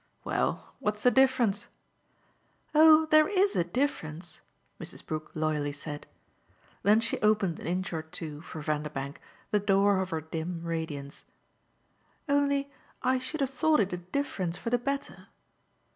"Well, what's the difference?" "Oh there IS a difference," Mrs. Brook loyally said. Then she opened an inch or two, for Vanderbank, the door of her dim radiance. "Only I should have thought it a difference for the better.